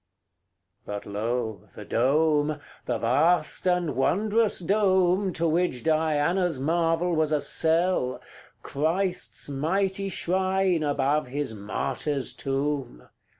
CLIII. But lo! the dome the vast and wondrous dome, To which Diana's marvel was a cell Christ's mighty shrine above his martyr's tomb!